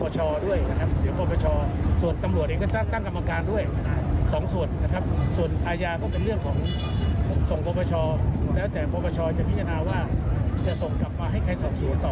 ช่วยจะพิจารณาว่าจะส่งกลับมาให้ใครสอบสวนต่อ